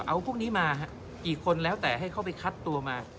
เอาพวกนี้มากี่คนแล้วแต่ให้เขาไปคัดตัวมา